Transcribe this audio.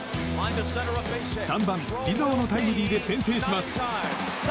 ３番、リゾーのタイムリーで先制します。